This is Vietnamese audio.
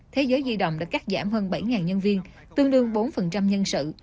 thế giới di động đã cắt giảm hơn bảy nhân viên tương đương bốn nhân sự